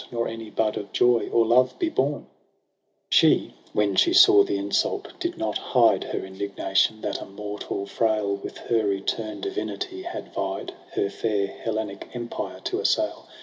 Nor any bud of joy or love be born j MARCH 75» She, wtien she saw the insult, did not hide Her indignation, that a mortal frail With her eterne divinity had vied. Her fair Hellenic empire to assail.